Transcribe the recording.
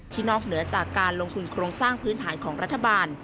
นอกเหนือจากการลงทุนโครงสร้างพื้นฐานของรัฐบาล